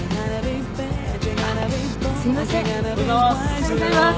おはようございます。